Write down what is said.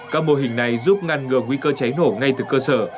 các mô hình này giúp ngăn ngừa nguy cơ cháy nổ ngay từ cơ sở